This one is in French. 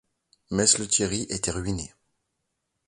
Mess Lethierry était ruiné.